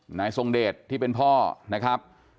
หน่ายทศที่เป็นพ่อนะครับ